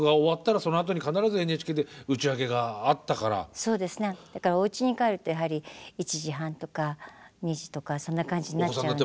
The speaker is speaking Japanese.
そうですねだからおうちに帰るとやはり１時半とか２時とかそんな感じになっちゃうんで。